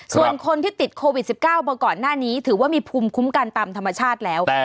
ส่วนคนที่ติดโควิด๑๙มาก่อนหน้านี้ถือว่ามีภูมิคุ้มกันตามธรรมชาติแล้ว